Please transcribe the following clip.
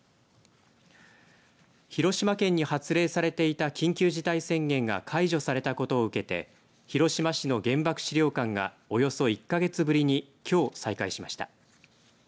広島県に発令されていた緊急事態宣言が解除されたことを受けて広島市の原爆資料館がおよそ１か月ぶりに、きょう再開しました。